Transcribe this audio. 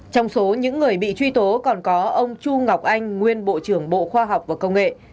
trong số những người bị truy tố còn có ông chu ngọc anh nguyên bộ trưởng bộ khoa học và công nghệ